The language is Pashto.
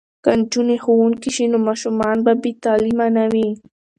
که نجونې ښوونکې شي نو ماشومان به بې تعلیمه نه وي.